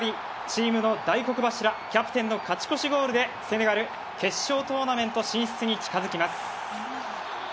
チームの大黒柱キャプテンの勝ち越しゴールでセネガル、決勝トーナメント進出に近づきます。